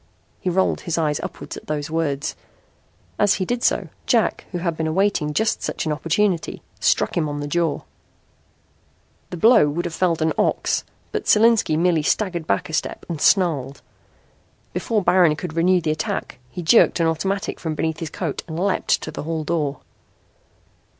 He rolled his eyes upward at those words. As he did so, Jack, who had been awaiting just such an opportunity, struck him on the jaw. The blow would have felled an ox but Solinski merely staggered back a step and snarled. Before Baron could renew the attack he jerked an automatic from beneath his coat and leaped to the hall door.